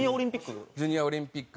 ジュニアオリンピック？